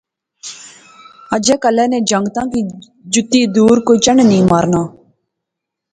اجا کلا نے جنگُتاں کی جُتی دور کوئی چنڈ نی مارنا